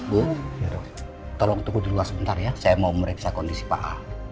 bu tolong tunggu dulu lah sebentar ya saya mau meredisa kondisi pak a